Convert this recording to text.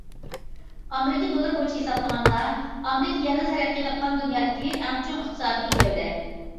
ئامېرىكا دوللىرى بويىچە ھېسابلىغاندا، ئامېرىكا يەنىلا تەرەققىي تاپقان دۇنيادىكى ئەڭ چوڭ ئىقتىسادىي گەۋدە.